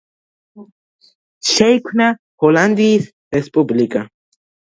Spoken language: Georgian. შეიქმნა ჰოლანდიის რესპუბლიკა.